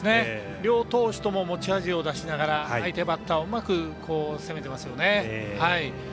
両投手とも持ち味を出しながら相手バッターをうまく攻めていますよね。